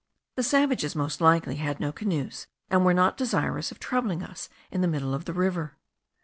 The savages most likely had no canoes, and were not desirous of troubling us in the middle of the river.